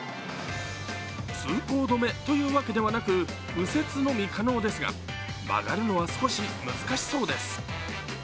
通行止めというわけではなく、右折のみ可能ですが曲がるのは少し難しそうです。